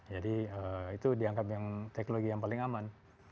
jadi itu dianggap teknologi yang paling aman